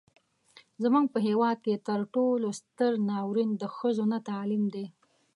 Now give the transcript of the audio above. زموږ په هیواد کې تر ټولو ستر ناورين د ښځو نه تعليم دی.